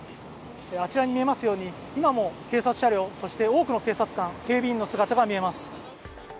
あちらに見えますように今も警察車両、多くの警察官警備員の姿が見えます。